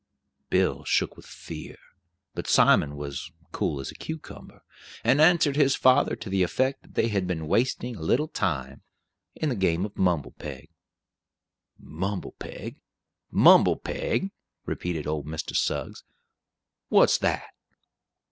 Bill shook with fear, but Simon was cool as a cucumber, and answered his father to the effect that they had been wasting a little time in the game of mumble peg. "Mumble peg! mumble peg!" repeated old Mr. Suggs. "What's that?"